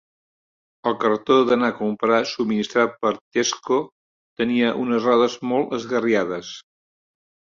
El carretó d'anar a comprar subministrat per Tesco tenia unes rodes molt esgarriades